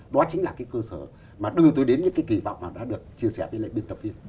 đó chính là cái cơ sở mà đưa tôi đến những cái kỳ vọng mà đã được chia sẻ với lại biên tập viên